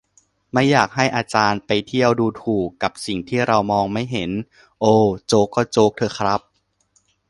"ไม่อยากให้อาจารย์ไปเที่ยวดูถูกกับสิ่งที่เรามองไม่เห็น" โอว โจ๊กก็โจ๊กเถอะครับ